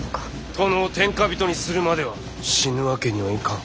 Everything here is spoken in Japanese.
殿を天下人にするまでは死ぬわけにはいかん。